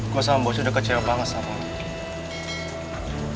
gue sama bos udah kecewa banget sama lo